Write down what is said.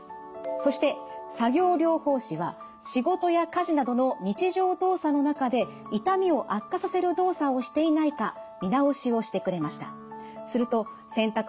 そして作業療法士は仕事や家事などの日常動作の中で痛みを悪化させる動作をしていないか見直しをしてくれました。